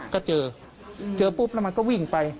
ก็เจอเจอปุ๊บแล้วมันก็วิ่งไป